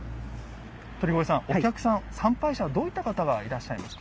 鳥越さん、参拝者はどういった方がいらっしゃいますか。